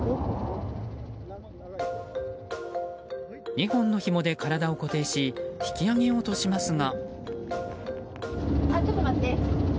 ２本のひもで体を固定し引き上げようとしますが。